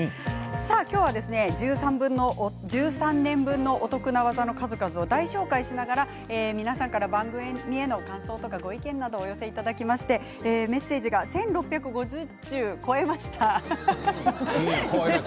今日は１３年分のお得な技の数々をご紹介しながら皆さんから番組の感想やご意見などいただきましてメッセージが１６５０通超えました。